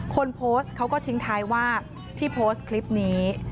คนโพสต์เขาก็ทิ้งท้ายว่าที่โพสต์คลิปนี้